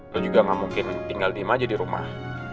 lo juga gak mungkin tinggal diem aja di rumah